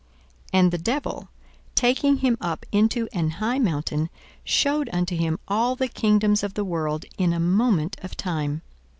42:004:005 And the devil, taking him up into an high mountain, shewed unto him all the kingdoms of the world in a moment of time.